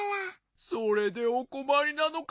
それでおこまりなのか。